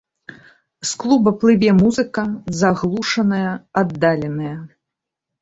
З клуба плыве музыка, заглушаная, аддаленая.